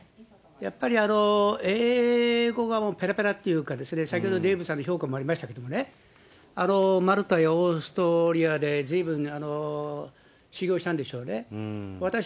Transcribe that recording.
やっぱり英語がもうぺらぺらっていうか、先ほどデーブさんの評価もありましたけど、マルタやオーストリアで、ずいぶん修業したんでしょうね。